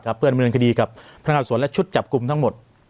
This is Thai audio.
เพื่อนดำเนินคดีกับพนักงานสวนและชุดจับกลุ่มทั้งหมด